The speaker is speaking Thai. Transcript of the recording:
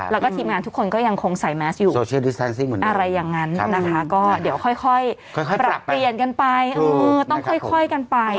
แล้วก็ทีมงานทุกคนก็ยังคงใส่แมสอยู่เหมือนกันอะไรอย่างนั้นนะคะก็เดี๋ยวค่อยปรับเปลี่ยนกันไปต้องค่อยกันไป